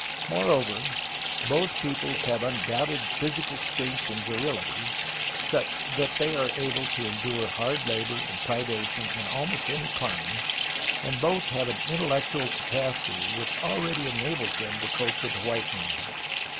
Moreover, both peoples have undoubted physical strength and virility, such that they are able to endure hard labor and privation in almost any clime, and both have an intellectual capacity which already enables them to cope with the white man.